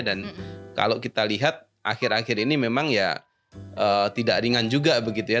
dan kalau kita lihat akhir akhir ini memang ya tidak ringan juga begitu ya